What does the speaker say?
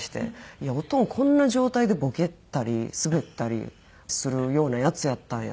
いやオトンこんな状態でボケたりスベったりするようなヤツやったんやっていう。